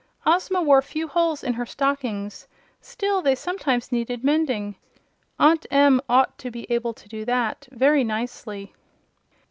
Ozma wore few holes in her stockings; still, they sometimes needed mending. Aunt Em ought to be able to do that very nicely.